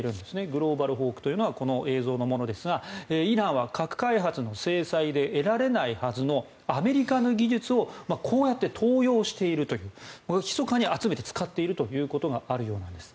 グローバルホークというのはこの映像のものですがイランは核開発の制裁で得られないはずのアメリカの技術をこうやって盗用しているというひそかに集めて使っているということがあるようなんです。